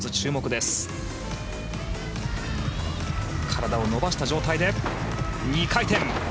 体を伸ばした状態で２回転。